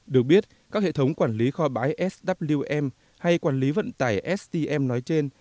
được biết các hệ thống quản lý kho bái swm hay quản lý vận tải stm nói trên